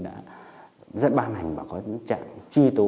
đã dẫn ban hành và có trạng truy tố